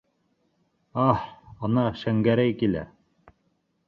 Аһ, ана Шәңгәрәй килә.